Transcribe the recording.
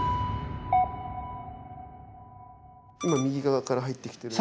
今右側から入ってきてるのが。